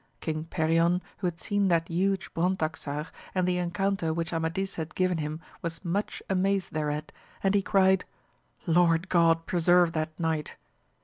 King Perion, who had seen that huge Brontaxar, and the encounter which Amadis had given him was much amazed thereat, and he cried. Lord God preserve that knight